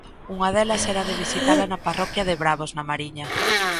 Unha delas era a de visitala na parroquia de Bravos, na Mariña.